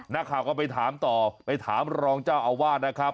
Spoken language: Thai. นักข่าวก็ไปถามต่อไปถามรองเจ้าอาวาสนะครับ